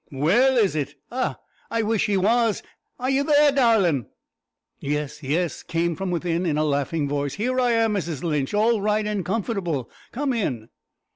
"Well, is it ah! I wish he was! Are ye there, darlin'?" "Yes, yes," came from within, in a laughing voice. "Here I am, Mrs Lynch, all right and comfortable. Come in."